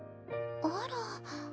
あら。